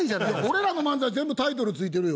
俺らの漫才は全部タイトル付いてるよ。